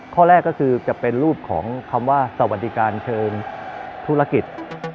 ข้อแรกก็คือจะเป็นรูปของคำว่าสวัสดิการเชิงธุรกิจ